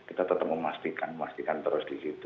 kita tetap memastikan memastikan terus di situ